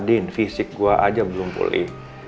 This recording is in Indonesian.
din fisik gue aja belum pulih